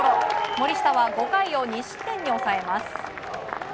森下は５回を２失点に抑えます。